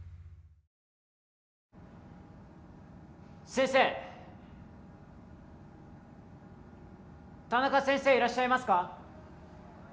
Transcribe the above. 先生田中先生いらっしゃいますか？